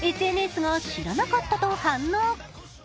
ＳＮＳが知らなかったと反応。